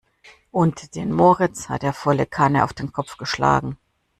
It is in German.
Und den Moritz hat er volle Kanne auf den Kopf geschlagen.